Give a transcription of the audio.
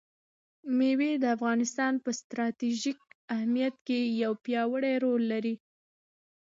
مېوې د افغانستان په ستراتیژیک اهمیت کې یو پیاوړی رول لري.